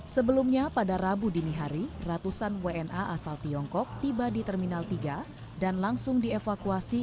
sebelumnya pada rabu dini hari ratusan wna asal tiongkok tiba di terminal tiga dan langsung dievakuasi